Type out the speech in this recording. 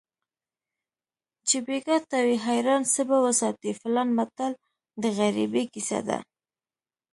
چې بیګا ته وي حیران څه به وساتي فیلان متل د غریبۍ کیسه ده